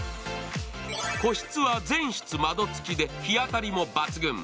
個室は全室窓付きで日当たりも抜群。